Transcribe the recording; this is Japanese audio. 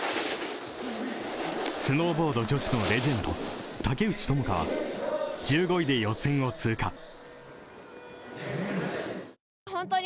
スノーボード女子のレジェンド、竹内智香は１５位で予選を通過。